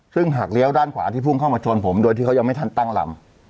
ซึ่งหากเลี้ยวด้านขวาที่พุ่งเข้ามาชนผมโดยที่เขายังไม่ทันตั้งลำ